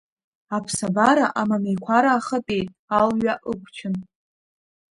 Аԥсабара амамеиқәара ахатәеит, алҩа ықәчын…